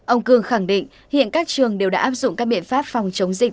ông cương khẳng định hiện các trường đều đã áp dụng các biện pháp phòng chống dịch